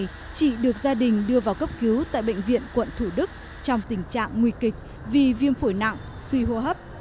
chị được gia đình đưa vào cấp cứu tại bệnh viện quận thủ đức trong tình trạng nguy kịch vì viêm phổi nặng suy hô hấp